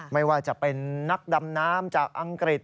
ไม่ว่าจะเป็นนักดำน้ำจากอังกฤษ